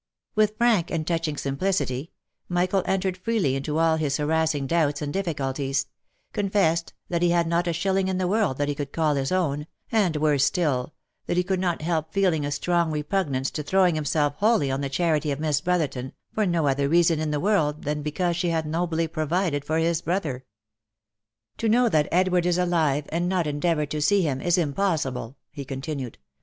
With frank and touching simplicity, Michael entered freely into all his harassing doubts and difficulties — confessed that he had not a shilling in the world that he could call his own, and, worse still, that he could not help feeling a strong repugnance to throwing himself wholly on the charity of Miss Brotherton, for no other reason in the world than because she had nobly provided for his brother. ' To know that Edward is alive, and not endeavour to see him is im possible," he continued.